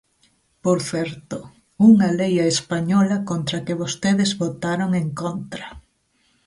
Por certo, unha lei a española contra a que vostedes votaron en contra.